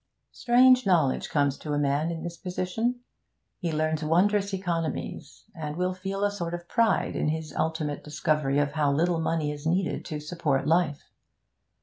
Strange knowledge comes to a man in this position. He learns wondrous economies, and will feel a sort of pride in his ultimate discovery of how little money is needed to support life.